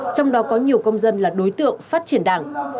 trong đó có nhiều công dân là đối tượng phát triển đảng